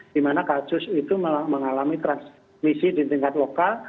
di mana kasus itu mengalami transmisi di tingkat lokal